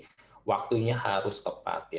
sebelum itu waktunya harus tepat